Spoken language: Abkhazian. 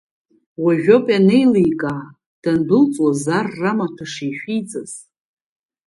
Уажәоуп ианеиликаа, дандәылҵуаз аррамаҭәа шишәиҵаз.